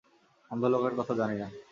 অন্ধ লোকের কথা জানি না।